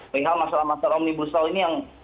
padahal masalah masalah omnibusual ini yang